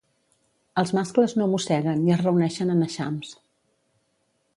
Els mascles no mosseguen i es reuneixen en eixams.